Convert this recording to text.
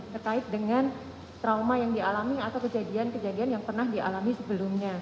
terkait dengan trauma yang dialami atau kejadian kejadian yang pernah dialami sebelumnya